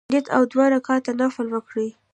نیت او دوه رکعته نفل وکړي.